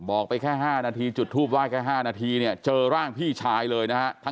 บอกไปแค่๕นาทีจุดทูปไห้แค่๕นาทีเนี่ยเจอร่างพี่ชายเลยนะฮะ